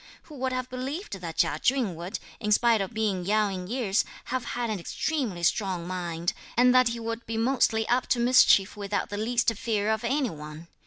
Who would have believed that Chia Chün would, in spite of being young in years, have had an extremely strong mind, and that he would be mostly up to mischief without the least fear of any one.